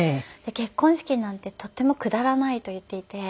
「結婚式なんてとてもくだらない」と言っていて。